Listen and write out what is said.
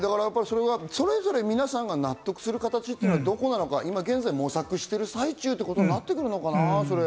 それぞれ皆さんが納得するところはどこなのかまだ模索している最中ということなのかな？